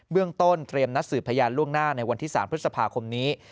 เรื่องต้นเตรียมนัดสืบพยานล่วงหน้าในวันที่๓พฤษภาคมนี้